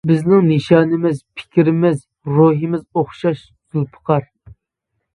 بىزنىڭ نىشانىمىز، پىكرىمىز، روھىمىز ئوخشاش زۇلپىقار.